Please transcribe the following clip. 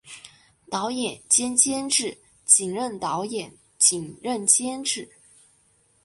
导演兼监制仅任导演仅任监制